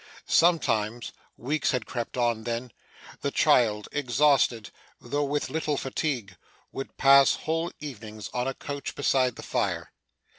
Sometimes weeks had crept on, then the child, exhausted, though with little fatigue, would pass whole evenings on a couch beside the fire.